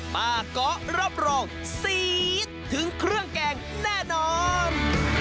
ป้าเกาะรับรองซี๊ดถึงเครื่องแกงแน่นอน